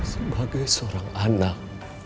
sebagai seorang anak